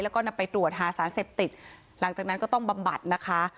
แล้วก็นำไปตรวจหาสารเสพติดหลังจากนั้นก็ต้องบำบัดนะคะ